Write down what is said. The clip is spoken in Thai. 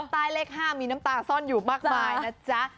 เลข๕มีน้ำตาซ่อนอยู่มากมายนะจ๊ะ